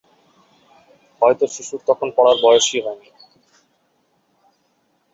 হয়তো শিশুর তখন পড়ার বয়সই হয়নি।